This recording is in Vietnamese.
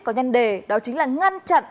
có nhân đề đó chính là ngăn chặn